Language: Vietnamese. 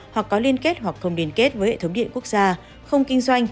hoặc có liên kết hoặc không liên kết với hệ thống điện quốc gia không kinh doanh